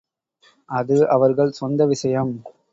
அது அவர்கள் சொந்த விஷயம்.